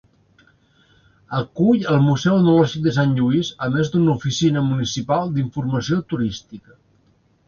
Acull el Museu Etnològic de Sant Lluís a més d'una oficina municipal d'informació turística.